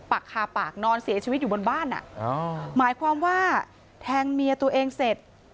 ปากคาปากนอนเสียชีวิตอยู่บนบ้านอ่ะหมายความว่าแทงเมียตัวเองเสร็จ